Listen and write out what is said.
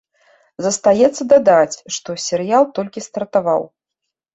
Застаецца дадаць, што серыял толькі стартаваў.